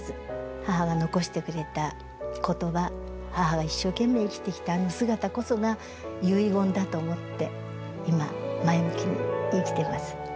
母が残してくれた言葉母が一生懸命生きてきたあの姿こそが遺言だと思って今前向きに生きてます。